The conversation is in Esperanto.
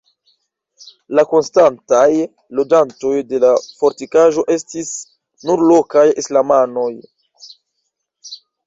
La konstantaj loĝantoj de la fortikaĵo estis nur lokaj islamanoj.